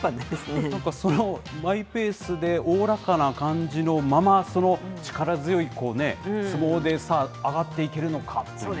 マイペースでおおらかな感じのまま、その力強い相撲で、さあ、上がっていけるのかという。